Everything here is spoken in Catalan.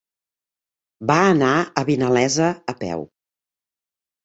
Va anar a Vinalesa a peu.